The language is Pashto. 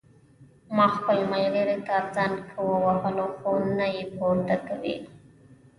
ما خپل ملګري ته زنګ ووهلو خو نه یې پورته کوی